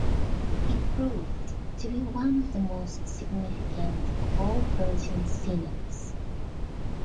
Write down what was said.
It proved to be one of the most significant of all Persian synods.